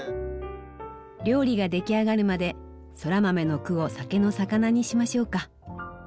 料理が出来上がるまでそら豆の句を酒のさかなにしましょうか。